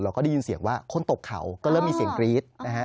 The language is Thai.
ก็ได้ยินเสียงว่าคนตกเขาก็เริ่มมีเสียงกรี๊ดนะฮะ